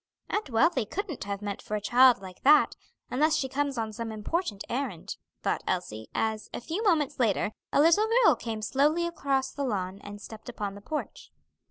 "Aunt Wealthy couldn't have meant for a child like that, unless she comes on some important errand," thought Elsie, as, a few moments later, a little girl came slowly across the lawn and stepped upon the porch.